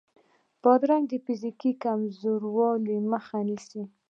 بادرنګ د فزیکي کمزورۍ مخه نیسي.